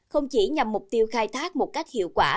không chỉ nhằm mục tiêu khai thác một cách hiệu quả